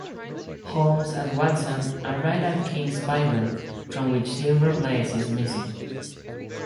Holmes and Watson arrive at King's Pyland, from which Silver Blaze is missing.